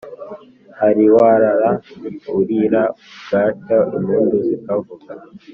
hari warara urira bwacya impundu zikavuga